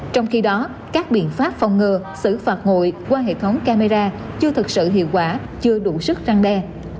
trong khi đó các biện pháp phòng ngừa xử phạt nguội qua hệ thống camera chưa thực sự hiệu quả chưa đủ sức răng đe